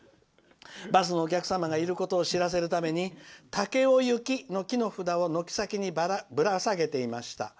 バスのお客様がいることを知らせるために武雄行きの木の札を軒の先にぶら下げていました」。